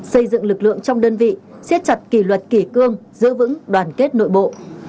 xây dựng lực lượng trong đơn vị xét chặt kỳ luật kỳ cương giữ vững đoàn kết nội bộ